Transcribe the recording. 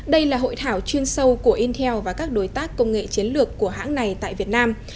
đây là hội thảo chuyên sâu của intel và các đối tác công nghệ chiến lược của hãng này tại việt nam